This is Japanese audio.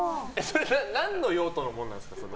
何の用途のものなんですか？